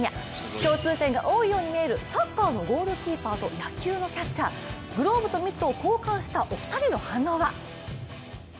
共通点が多いように見えるサッカーのゴールキーパーと野球のキャッチャー、グローブとミットを交換したお二人の反応は？